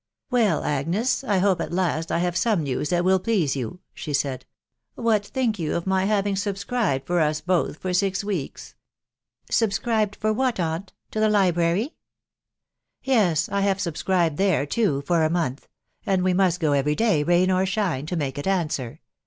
"Well, Agnes, I hope at last I have some news *that*tfH please you/' she said. " What think you of my luring afb scribed for us both for six weeks ?*'" Subscribed for what, aunt ?... to the library ? w " Yes ; I have subscribed there, too, for a month ..;. sad we must go every day, rain or shine, to make it answer.